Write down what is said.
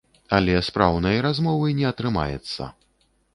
Але спраўнай размовы не атрымаецца.